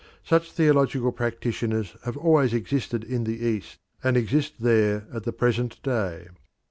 Such theological practitioners have always existed in the East, and exist there at the present day.